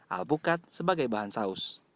alpukat sebagai bahan saus